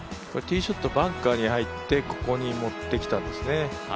ティーショットバンカーに入ってここに持ってきたんですね。